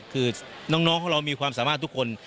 คือน้องของเรามีความสามารถทุกคน